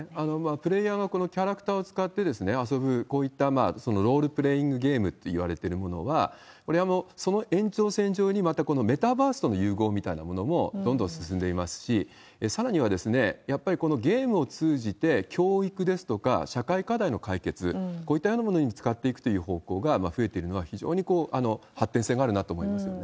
プレーヤーがこのキャラクターを使って遊ぶ、こういったロールプレイングゲームといわれてるものは、これはその延長線上にまたこのメタバースとの融合みたいなものもどんどん進んでいますし、さらには、やっぱりこのゲームを通じて、教育ですとか、社会課題の解決、こういったようなものに使っていくような方向が増えてるのは、非常に発展性があるなと思いますよね。